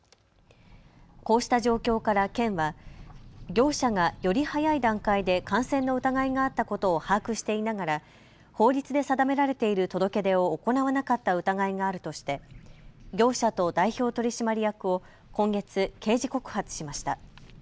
こうした状況から県は業者がより早い段階で感染の疑いがあったことを把握していながら法律で定められている届け出を行わなかった疑いがあるとして業者と代表取締役を今月、刑事告発しました。